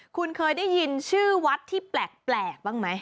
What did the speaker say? คุณเคยได้ยินชื่อวัดที่แปลกบ้างไหม